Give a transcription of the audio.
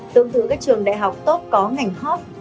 tương tự các trường đại học tốt có ngành hot